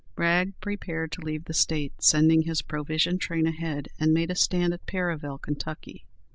Bragg prepared to leave the State, sending his provision train ahead, and made a stand at Perryville, Kentucky.